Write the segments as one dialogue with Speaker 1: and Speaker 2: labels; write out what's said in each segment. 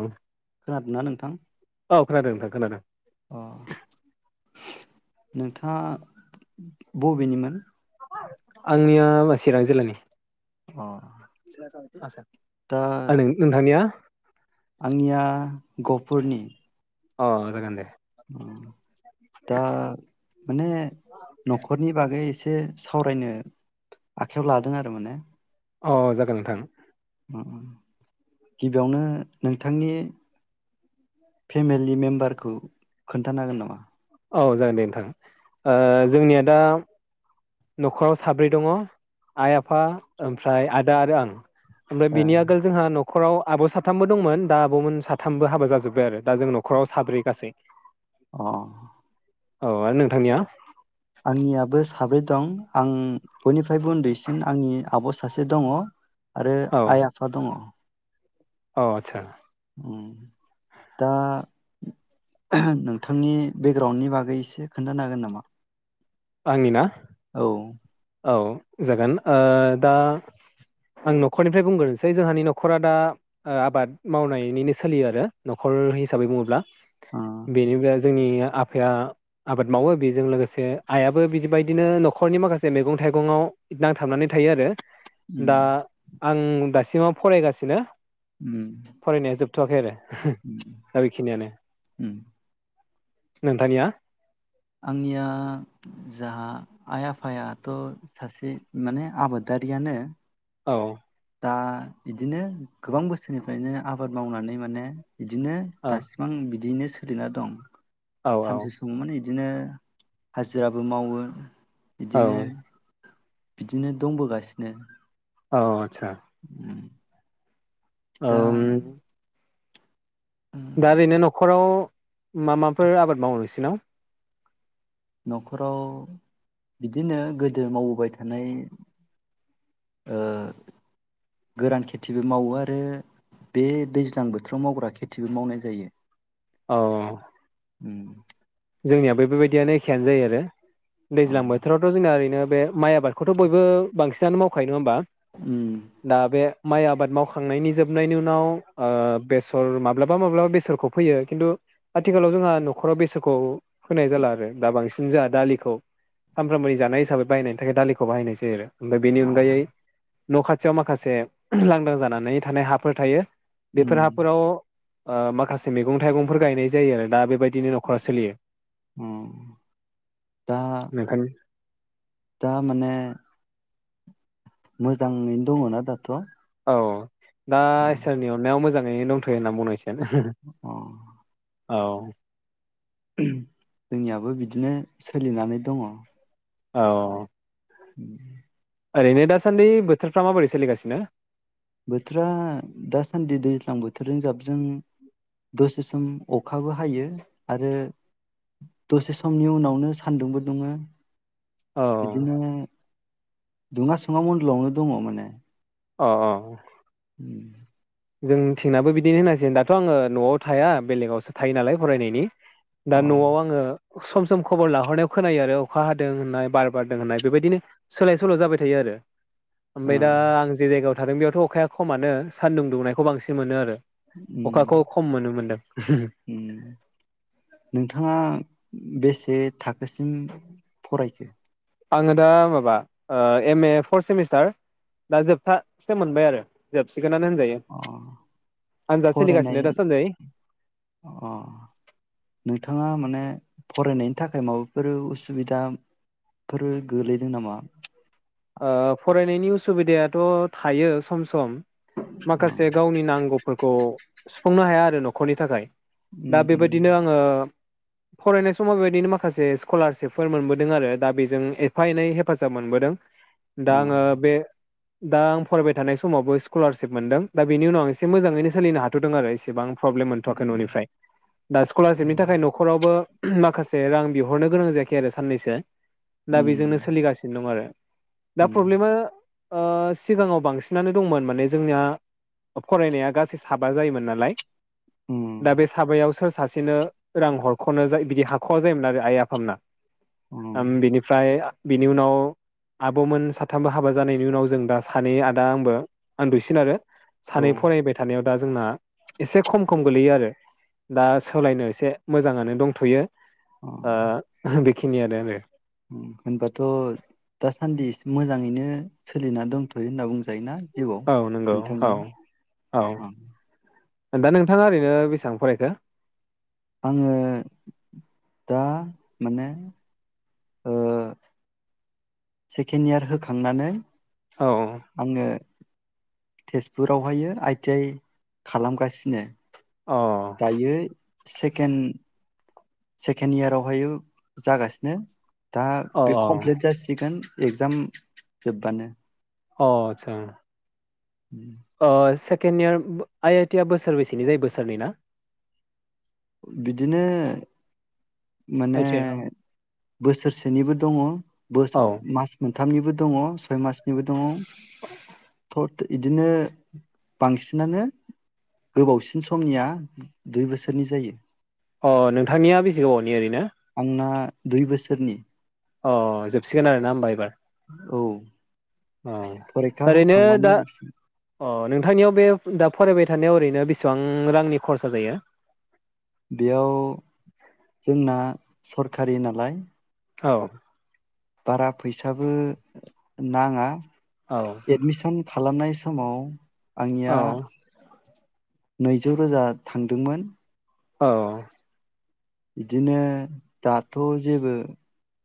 Speaker 1: औ
Speaker 2: खोनादोंना नोंथां
Speaker 1: खोनादों नोंथां खोनादों
Speaker 2: अ नोंथाङा बबेनिमोन?
Speaker 1: आंनिया चिरां जिल्लानि
Speaker 2: अ दा
Speaker 1: आ नोंथांनिया?
Speaker 2: आंनिया गफुरनि
Speaker 1: अ जागोन दे
Speaker 2: दा माने न'खरनि बागै एसे सावरायनो आखाइयाव लादों आरो माने,
Speaker 1: अ जागोन नोंथां,
Speaker 2: गिबियावनो नोंथांनि फेमिलि मेम्बारखौ खोन्थानो हागोन नामा?
Speaker 1: औ जागोन दे नोंथां ओ जोंनिया दा न'खराव साब्रै दङ आइ आफा ओमफ्राय आदा आरो आं। ओमफ्राय
Speaker 2: ए
Speaker 1: बिनि आगोल जोंहा न नखराव आब साथामबो दंमोन दा आबमोन साथामबो हाबा जाजोब्बाय आरो दा जों नखराव साब्रै गासै ।
Speaker 2: अ
Speaker 1: औ आरो नोंथांनिया?
Speaker 2: आंनियाबो साब्रै दं, आं बयनिफ्रायबो उन्दैसिन आंनि आब सासे दङ आरो
Speaker 1: औ
Speaker 2: आइ आफा दङ।
Speaker 1: औ आथसा
Speaker 2: ओम दा नोंथांनि बेकग्राउणडनि बागै एसे खोन्थानो हागोन नामा?
Speaker 1: आंनिया?
Speaker 2: औ ओ
Speaker 1: औ जागोन ओ दा आं न'खरनिफ्राय बुंग्रोनोसै जोंहानि न'खरा दा आबाद मावनायनिनो सोलियो आरो न'खर हिसाबै बुङोब्ला,
Speaker 2: उम
Speaker 1: बेदिब्ला जोंनिया आफाया आबाद मावो बेजों लोगोसे आयाबो बिदिबायदिनो न'खरनि माखासे मेगं थाइगंआव नांथाबनानै थायो आरो दा आं दासिमाव फरायगासिनो
Speaker 2: उम
Speaker 1: थ आखै आरो हो
Speaker 2: उम
Speaker 1: दा बेखिनियानो
Speaker 2: उम
Speaker 1: नोंथानिया
Speaker 2: आंनिया जाहा आइ आफायाथ सासे माने आबादारियानो।
Speaker 1: औ
Speaker 2: दा बिदिनो गोबां बोसोरनिफ्रायनो आबाद मावनानै माने बिदिनो
Speaker 1: औ
Speaker 2: दासिबां बिदिनो सोलिना दं
Speaker 1: औ औ
Speaker 2: सानसे समाव माने बिदिनो हाजिराबो मावो
Speaker 1: औ
Speaker 2: बिदिनो बिदिनो दंबोगासिनो
Speaker 1: औ आदसा
Speaker 2: [inaudible] दा
Speaker 1: ओम
Speaker 2: उम
Speaker 1: दा ओरैनो न'खराव मा माफोर आबाद मावो नोंसिनाव
Speaker 2: न'खराव बिदिनो गोदो मावबोबाय थानाय ओ गोरान खेथिबो मावो आरो बे दैज्लां बोथोराव मावग्रा खेथिबो मावनाय जायो।
Speaker 1: अ
Speaker 2: उम
Speaker 1: जोंनिया बेफोबायदियानो एखेयानो जायो आरो
Speaker 2: अ
Speaker 1: दैज्लां बोथोरावथ जोना ओरैनो बे माइ आबादखौथ' बयबो बांसि सिनानो मावखायो नङाहोमबा?
Speaker 2: उम
Speaker 1: दा बे माइ आबाद मावखांनायनि जोबनायनि उनाव ओ बेसर माब्लाबा माब्लाबा बेसरखौ फोयो खिन्थु आथिखालाव जोंहा न'खराव बेस खौ फोनाय जाला आरो दा बांसिन जोंहा दालिखौ सानफ्रामबोनि जानाय हिसाबै बायनायनि थाखाय दालिखौ बाहायनाय जायो आरो। ओमफाय बेनि अनगायै न' खाथियाव माखासे लांदां जानानै थानाय हाफोर थायो। बेफोर
Speaker 2: उम
Speaker 1: हाफोराव ओ माखासे मेगं थाइगंफोर गायनाय जायो आरो दा बेबायदि खआ सोलियो
Speaker 2: उम अ दा
Speaker 1: नोंथांनि
Speaker 2: दा माने मोजाङैनो दङना दाथ।
Speaker 1: औ दा इसोरनि अननायाव मोजां नै दंथयो होनना बुंनांसि
Speaker 2: अ।
Speaker 1: औ।
Speaker 2: ओम जोंनियाबो बिदिनो सोलिनानै दङ
Speaker 1: औ।
Speaker 2: उम।
Speaker 1: ओरैनो दासान्दि बोथोरफ्रा माबोरै सोलिगासिनो
Speaker 2: बोथोरा दासान्दि दैज्लां बोथोरजों जाबजों दसे सम अखाबो हायो आरो दसे समनि उनावनो सान्दुंबो दुङो
Speaker 1: औ
Speaker 2: बिदिनो दुङा सुङा [inaudible] दङ माने
Speaker 1: अ अ जों थिंनाबो बिदिनो होननांसिगोन दाथ' आङो न'आव थाया बेलेगावसो थायो नालाय फरायनायनि
Speaker 2: अ
Speaker 1: दा नआव आङो सम सम खबर लाहरनायाव खोनायो आरो अखा हादों होननाय बार बारदों होननाय बेबायदिनो सोलाय सोल जाबाय थायो आरो ओमबाय
Speaker 2: ओ
Speaker 1: दा आं जे जायगायाव थादों बेयावथ' अखाया खमानो सान्दुं दुंनायखौ बांसिन मोनो आरो। अखाखौ
Speaker 2: उम
Speaker 1: खम मोनो मोनदों
Speaker 2: उम नोंथाङा
Speaker 1: [unintelligible]
Speaker 2: बेसे थाखोसिम फरायखो?
Speaker 1: आङो दा माबा ओ एम-ए फर्थ सेमिस्टार दा जोबथा सेम मोनबाय आरो जोबस
Speaker 2: अ
Speaker 1: आनजाद
Speaker 2: फरायनाय
Speaker 1: सोलिगासिनो दासान्दै
Speaker 2: अ नोंथाङा माने फरायनायनि थाखाय माबाफोर उसुबिदाफोर गोलैदों नामा?
Speaker 1: ओ फरायनायनि उसुबिदायाथ थायो सम सम
Speaker 2: अ
Speaker 1: माखासे गावनि नांगौ फोरखौ सुफुंनो हाया आरो नखरनि थाखाय
Speaker 2: उम
Speaker 1: दा
Speaker 2: उम
Speaker 1: बेबायदिनो आङो, फरायनाय समाव बेबायदिनो माखासे स्कलारशिपफोर मोनबोदों आरो दा बेजों एफा एनै हेफाजाब मोनबोदों। दा
Speaker 2: अ
Speaker 1: आङो बे दा आं फरायबाय थानाय समावबो स्कलारशिप मोनदों दा बेनि उनाव आं एसे मोजाङैनो सोलिनो हाथदों आरो एसेबां प्रब्लेम मोनथ'वाखै
Speaker 2: उम
Speaker 1: न'निफ्राय दा स्कलारशिपनि थाखाय नखरावबो उम माखासे रां बिहरनो गोनां जायाखै आरो साननैसोआ। दा बेजोंनो
Speaker 2: उम
Speaker 1: सोलिगासिनो दं आरो। दा
Speaker 2: उम
Speaker 1: प्रब्लेमा ओ सिगाङाव बांसिनानो दंमोन माने जोंनिया फरायनाया गासै साबा जायोमोन नालाय दा
Speaker 2: उम
Speaker 1: बे साबायाव सोर सासेनो रां हरखनो ज बिदि हाखवा जायोमोन आरो आइ आफामोना आं बिनिफ्राय बिनि उनाव आबमोन साथामबो हाबा जानायनि उनाव जों दा सानै आदा आंबो आं दुइसिन आरो
Speaker 2: अ औ
Speaker 1: सानै फरायबाय थानायाव दा जोंना एसे खम खम गोलैयो आरो दा सोलायनो एसे मोजाङानो दंथयो
Speaker 2: अ
Speaker 1: बेखिनियानो आरो।
Speaker 2: होनबाथ दासान्दि मोजाङैनो सोलिना दंथयो होनना बुङ जायोना जिउआव
Speaker 1: औ नंगौ औ
Speaker 2: नोंथांनिया
Speaker 1: औ दा नोंथाङा ओरैनो बेसेबां फरायखो
Speaker 2: आङो दा माने सेकेण्ड इयार होखांनानै
Speaker 1: औ
Speaker 2: आङो तेजपुरावहायो आइटि आइ खालामगासिनो
Speaker 1: औ
Speaker 2: दायो सेकेण्ड सेकेण्ड इयारावहाय जागासिनो दा
Speaker 1: अ
Speaker 2: बे
Speaker 1: अ
Speaker 2: कमप्लेट जासिगोन। एग्जाम जोब्बानो
Speaker 1: अ आचचा अ से second year I I T आ बोसोरबैसेनि जायो बोसोरनै ना?
Speaker 2: बिदिनो
Speaker 1: आइ
Speaker 2: माने
Speaker 1: टि आइ
Speaker 2: बोसोरसेनिबो दङ बस
Speaker 1: औ
Speaker 2: मास मोन थामनिबो दङ सय मास निबो दङ बिदिनो बांसिनानो गोबावसिन समनिया दुइ बोसोरनि जायो [inaudible]
Speaker 1: अ नोंथांनिया बेसे गोबावनि ओरै नो
Speaker 2: आंना दुइ बोसोरनि
Speaker 1: अ जोबसिगोन आरो ना होमबा एबार?
Speaker 2: औ
Speaker 1: ओ
Speaker 2: फरिखा
Speaker 1: ओरैनो
Speaker 2: होखांबानो
Speaker 1: दा
Speaker 2: जोबसिगोन
Speaker 1: अ नों नोंथांनियाव बे दा फरायबाय थानायाव ओरैनो बेसेबां रांनि खरसा जायो
Speaker 2: बेयाव जोंना सरखारि नालाय
Speaker 1: औ
Speaker 2: बारा फैसाबो नाङा
Speaker 1: औ
Speaker 2: एडमिसन खालामनाय समाव आंनिया नैजौ रोजा थांदोंमोन।
Speaker 1: औ
Speaker 2: बिदिनो दाथ जेबो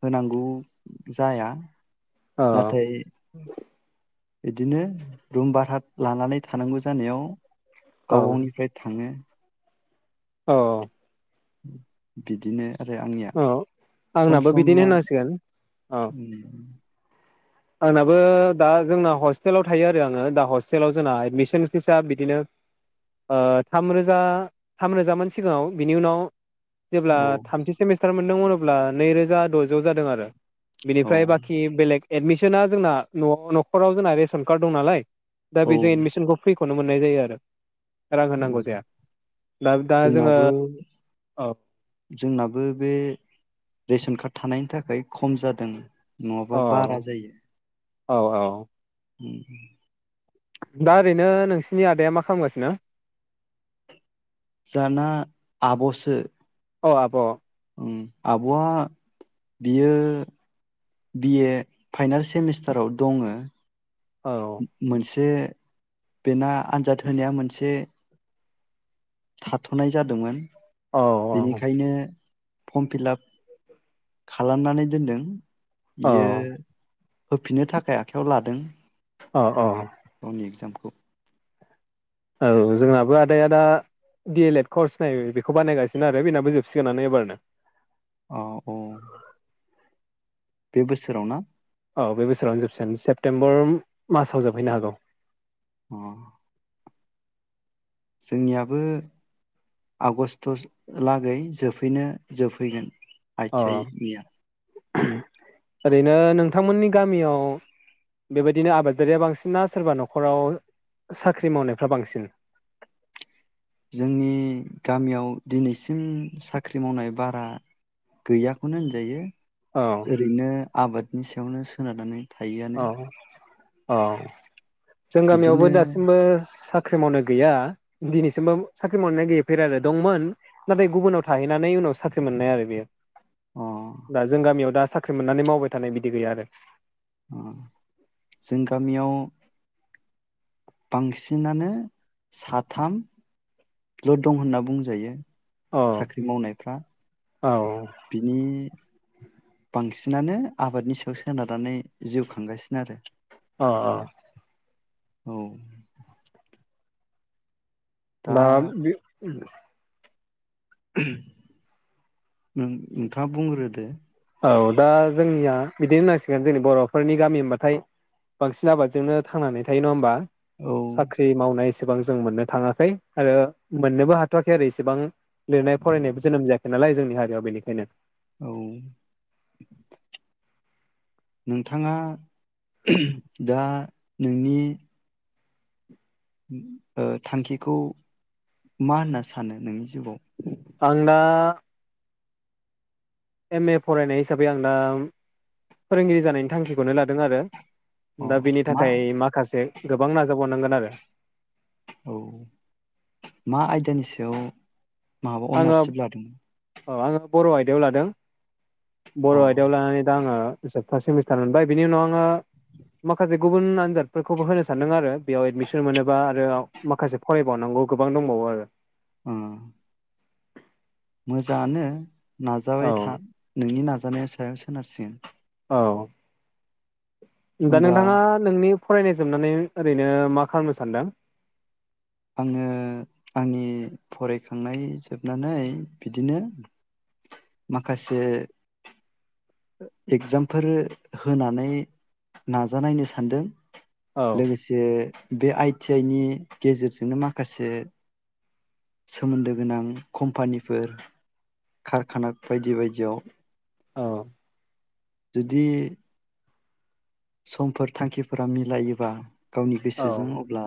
Speaker 2: होनांगौ जाया।
Speaker 1: औ
Speaker 2: नाथाय बिदिनो रुम भारा लानानै थानांगौ जानायाव
Speaker 1: औ
Speaker 2: गाव गावनिफ्राय थाङो।
Speaker 1: अ
Speaker 2: बिदिनो आरो आंनिया
Speaker 1: औ
Speaker 2: सम
Speaker 1: आंनाबो
Speaker 2: सम
Speaker 1: बिदिनो
Speaker 2: मा
Speaker 1: होनांसिगोन औ
Speaker 2: उम
Speaker 1: आंनाबो दा जोंना हस्टेलाव थायो आरो आङो दा हस्टेलाव जोंना एडमिसन फिसा बिदिनो ओ थामरोजा थामरोजामोन सिगाङाव। बेनि उनाव जेब्ला
Speaker 2: औ
Speaker 1: थामथि सेमिस्टार मोनदों अब्ला नैरोजा दजौ जादों आरो
Speaker 2: औ
Speaker 1: बिनिफ्राय बाखि बेलेग एडमिसना जोंना न'-न'खराव जोंना रेसन कार्ड दं नालाय। दा
Speaker 2: औ
Speaker 1: बेजो एडमिसनखौ फ्रि नुनो मोननाय जायो आरो रां
Speaker 2: उम
Speaker 1: होनांगौ जाया दा दा जोङो
Speaker 2: जोंनाबो
Speaker 1: औ
Speaker 2: जोंनाबो बे रेशन कार्ड थानायनि थाखाय खम जादों,
Speaker 1: औ
Speaker 2: नङाबा बारा जायो
Speaker 1: औ औ।
Speaker 2: उम।
Speaker 1: दा ओरैनो नोंसिनि आदाया मा खालामगासिनो?
Speaker 2: जाहाना आब'सो
Speaker 1: अ आब'।
Speaker 2: उम आब'आ बियो बि ए फाइनाल सेमिस्टाराव दङो।
Speaker 1: औ
Speaker 2: मोनसे बेना आनजाद होनाया मोनसे थाथ'नाय जादोंमोन।
Speaker 1: औ
Speaker 2: बेनिखायनो फर्म फिलाप खालामनानै दोनदों।
Speaker 1: औ
Speaker 2: इयो होफिननो थाखाय आखायाव लादों।
Speaker 1: अ अ
Speaker 2: खौ
Speaker 1: औ जोंनाबो आदाया आदा डि एल एड कर्स नाय बेखौ बानायगासिनो आरो बेनाबो जोबसिगोनानो एबारना।
Speaker 2: औ औ बे बोसोराव ना
Speaker 1: औ बे बोसोरावनो जोबसिगोन सेप्तेम्बर मासाव जोबहैनो हागौ।
Speaker 2: अ। जोंनियाबो आगस्ट'लागै जोबफैनो जोबफैगोन
Speaker 1: अ
Speaker 2: आथि आइ नि आ
Speaker 1: ओरैनो नोंथांमोननि गामियाव बेबायदिनो आबादारिया बांसिनना सोरबा न खराव साख्रि मावनायफ्रा बांसिन।
Speaker 2: जोंनि गामियाव दिनैसिम साख्रि मावनाय बारा गैयाखौनो होनजायो।
Speaker 1: औ
Speaker 2: ओरैनो आबाद बिनि सायावनो सोनारनानै थायोआनो
Speaker 1: औ जों गामियावबो
Speaker 2: बिदिनो
Speaker 1: दासिमबो साख साख्रि मावनो गैया दिनैसिमबो साख्रि मावनाया गैयैफेर आरो दंमोन नाथाय गुबुनाव थाहैनानै उनाव साख्रि मोननाय आरो बेयो।
Speaker 2: अ
Speaker 1: दा जों गामियाव दा साख्रि मोननानै मावबाय थानाय बिदि गैया आरो।
Speaker 2: ओ जों गामियाव बांसिनानो साथामल दं होनना बुंजायो ।
Speaker 1: औ
Speaker 2: साख्रि मावनायफ्रा
Speaker 1: औ
Speaker 2: बिनि बांसिन बिसिनानो आबादनि सायाव सोनारनानै जिउ खांगासिनो आरो।
Speaker 1: अ अ।
Speaker 2: औ।
Speaker 1: दा बे
Speaker 2: उम नों नोंथाङा बुंग्रो दे।
Speaker 1: औ दा जोंनिया बिदिनो होननांसिगोन जोंनि बर'फोरनि गामि होनबाथाय बांसिन आबादजोंनो थांनानै थायो नङा होमबा?
Speaker 2: औ
Speaker 1: साख्रि मावनाय एसेबां जों मोननो थाङाखै आरो मोननोबो हाथवाखै आरो इसेबां लिरनाय फरायनायबो जोनोम जायाखै नालाय जोंनि हारियाव बेनिखायनो
Speaker 2: औ। नोंथाङा दा नोंनि ओ थांखिखौ मा होनना सानो नोंनि जिउआव
Speaker 1: आं दा एम ए फरायनाय हिसाबै आं दा फोरोंगिरि जानायनि थांखिखौनो लादों आरो दा
Speaker 2: अ
Speaker 1: बेनि
Speaker 2: मा
Speaker 1: थाखाय माखासे गोबां नाजाबावनांगोन आरो
Speaker 2: औ मा आयदानि सायाव माबा अनारशिप लादों।
Speaker 1: अ आङो बर आयदायाव लादों
Speaker 2: अ
Speaker 1: बर' आयदायाव लानानै दा आङो जोब फार्स्ट सेमिस्टार मोनबाय बिनि उनाव आङो माखासे गुबुन आनजादफोरखौबो होनो सानदों आरो बेयाव एडमिसन मोनोबा आरो आव माखासे फरायबावनांगौ गोबां दंबावो आरो‌
Speaker 2: उम। मोजाङानो नाजाबाय था
Speaker 1: औ
Speaker 2: नोंनि नाज जानायनि सायाव सोनारसिगोन
Speaker 1: औ दा
Speaker 2: होमबा
Speaker 1: नोंथाङा नोंनि फरायनाय जोबनानै ओरैनो मा खालामनो सानदों
Speaker 2: आङो आंनि फरायखांनाय जोबनानै बिदिनो माखासे इगजामफोर होनानै नाजानायनो सानदों
Speaker 1: औ
Speaker 2: लोगोसे बे आइ थि आइ नि गेजेरजों नो माखासे सोमोन्दो गोनां कम्पानिफोर कारखाना बायदि बायदियाव
Speaker 1: औ
Speaker 2: जुदि समफोर थांखिफोरा मिलायोबा गावनि
Speaker 1: औ
Speaker 2: गोसोजों मावब्ला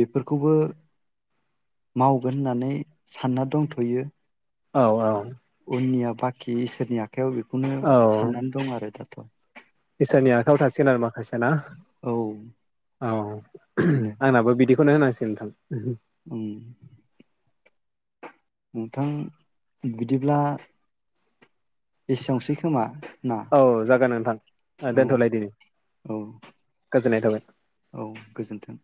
Speaker 2: बे फोरखौबो मावगोन होननानै सानना दंथ'यो।
Speaker 1: औ औ।
Speaker 2: उननिया बाखि इसोरनि आख खायाव बेखौनो
Speaker 1: औ
Speaker 2: सान्नानै दं आरो दा। [inaudible]
Speaker 1: इसोरनि आखायाव थासिगोन आरो माखासे ना
Speaker 2: औ
Speaker 1: औ।
Speaker 2: बिदिनो
Speaker 1: आंनाबो बिदि खौनो होनांसिगोन नोंथां।
Speaker 2: उम नोंथां बिदिब्ला एसेयावसै खोमा। ना
Speaker 1: औ जागोन नोंथां ओ
Speaker 2: औ
Speaker 1: दोनथलायदिनि
Speaker 2: औ
Speaker 1: गोज गोजोनाय थाबाय
Speaker 2: औ गोजोन्थों।